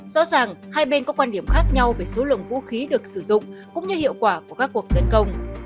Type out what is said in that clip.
rõ ràng hai bên có quan điểm khác nhau về số lượng vũ khí được sử dụng cũng như hiệu quả của các cuộc tấn công